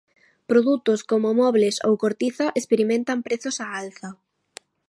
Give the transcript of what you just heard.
Produtos como mobles ou cortiza experimentan prezos á alza.